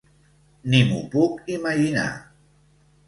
Ni m'ho puc imaginar.